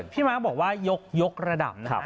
พี่มาร์คบอกว่ายกระดับนะคะ